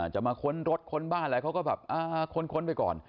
จะมาค้นรถค้นบ้านอะไรเขาก็แบบค้นไปก่อน